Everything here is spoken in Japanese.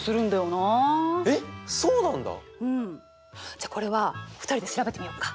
じゃあこれは２人で調べてみようか？